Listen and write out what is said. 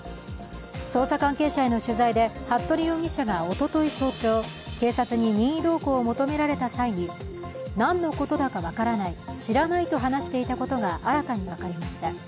捜査関係者への取材で、服部容疑者がおととい早朝、警察に任意同行を求められた際に何のことだか分からない、知らないと話していたことが新たに分かりました。